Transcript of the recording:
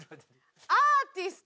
「アーティストと」